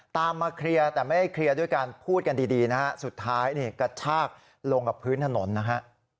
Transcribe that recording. มาเคลียร์แต่ไม่ได้เคลียร์ด้วยการพูดกันดีนะฮะสุดท้ายนี่กระชากลงกับพื้นถนนนะฮะ